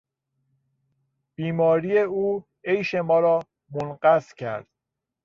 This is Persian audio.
بیماری او عیش ما را منقص کرد.